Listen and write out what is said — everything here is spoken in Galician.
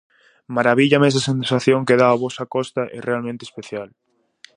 Marabíllame esa sensación que dá a vosa Costa, é realmente especial.